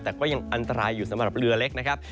แต่ก็ยังอันตรายอยู่สำหรับเรือเล็กนะครับ